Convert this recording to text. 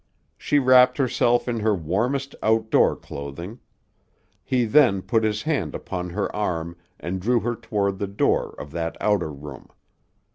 She wrapped herself in her warmest outdoor clothing. He then put his hand upon her arm and drew her toward the door of that outer room.